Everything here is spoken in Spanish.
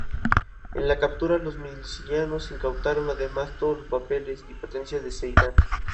En la captura, los milicianos incautaron además todos los papeles y pertenencias de Zeidan.